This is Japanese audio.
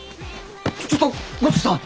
ちょっと五色さん！